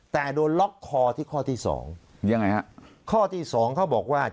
แต่โดนล็อกคอที่ข้อที่สองยังไงฮะข้อที่สองเขาบอกว่า